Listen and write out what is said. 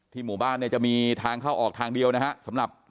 ที่หมู่บ้านจะมีทางเข้าออกทางเดียวนะฮะสำหรับหมู่บ้าน